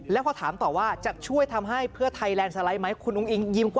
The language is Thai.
แล้วก็ถามต่อว่าจะช่วยทำให้เพื่อไทยแรงสไลด์ไหม